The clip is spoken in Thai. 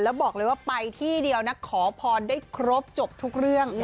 แล้วบอกเลยว่าไปที่เดียวนะขอพรได้ครบจบทุกเรื่อง